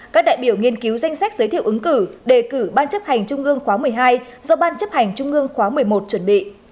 các đại biểu nghiên cứu danh sách giới thiệu ứng cử đề cử ban chấp hành trung ương khóa một mươi hai do ban chấp hành trung ương khóa một mươi một chuẩn bị